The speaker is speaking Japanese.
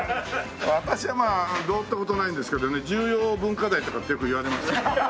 私はまあどうって事ないんですけどね重要文化財とかってよく言われますよ。